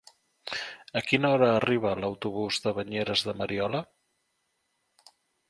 A quina hora arriba l'autobús de Banyeres de Mariola?